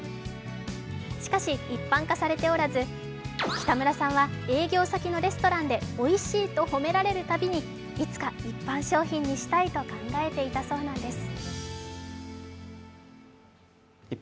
しかし、一般化されておらず、北村さんは営業先のレストランでおいしいと褒められるたびにいつか一般商品にしたいと考えていたそうなんです。